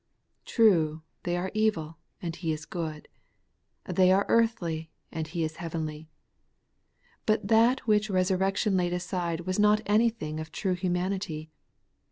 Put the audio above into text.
Ti*ue, they are evil, and He is good ; they are earthly, and He is heavenly. But that which resurrection laid aside was not anything of true humanity.